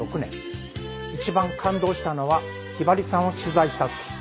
一番感動したのはひばりさんを取材した時。